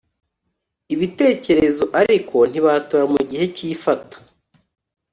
ibitekerezo ariko ntibatora mu gihe cy’ifata